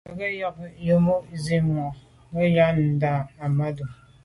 Mə́ gə̀ yɔ̌ŋ yə́ mû' nsî vwá mə̀ yə́ á ndǎ' Ahmadou.